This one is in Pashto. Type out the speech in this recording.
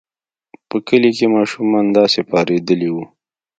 په کلي کې ماشومان داسې پارېدلي وو.